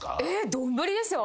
丼ですよ。